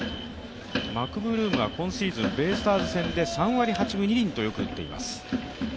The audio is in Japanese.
マクブルームが今シーズンベイスターズ戦で３割８分２厘とよく打っています。